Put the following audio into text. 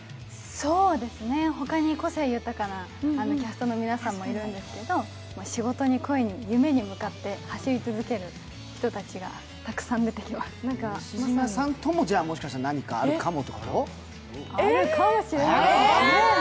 そうですね、ほかに個性豊かなキャストの皆さんもいるんですけど仕事に恋に、夢に向かって走り続ける人たちが西島さんとももしかしたら何かあるかも？